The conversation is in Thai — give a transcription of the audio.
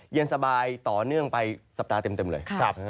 เย็นสบายต่อเนื่องไปสัปดาห์เต็มเลย